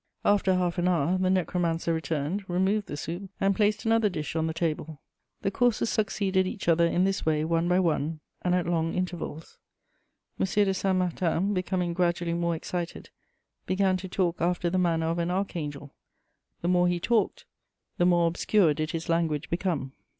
After half an hour, the necromancer returned, removed the soup, and placed another dish on the table. The courses succeeded each other in this way, one by one, and at long intervals. M. de Saint Martin, becoming gradually more excited, began to talk after the manner of an archangel; the more he talked, the more obscure did his language become.